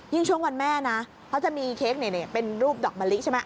ช่วงวันแม่นะเขาจะมีเค้กเป็นรูปดอกมะลิใช่ไหม